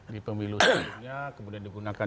di pemilu sebelumnya kemudian digunakan